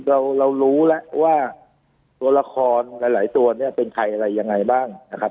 เรารู้แล้วว่าตัวละครหลายตัวเนี่ยเป็นใครอะไรยังไงบ้างนะครับ